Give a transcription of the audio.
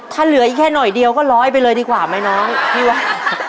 ถ้าเหลืออีกแค่หน่อยเดียวก็ร้อยไปเลยดีกว่าไหมน้องพี่ว่า